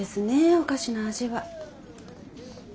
お菓子の味は。